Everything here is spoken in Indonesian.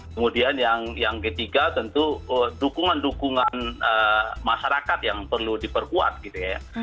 kemudian yang ketiga tentu dukungan dukungan masyarakat yang perlu diperkuat gitu ya